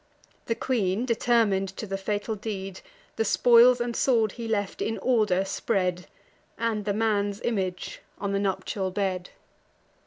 The queen, determin'd to the fatal deed, The spoils and sword he left, in order spread, And the man's image on the nuptial bed.